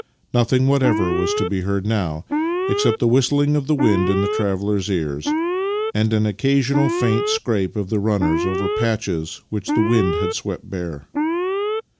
Nothing whatever was to be heard now except the whistling of the wind in the travellers' ears and an occasional faint scrape of the runners over patches which the wind had swept bare.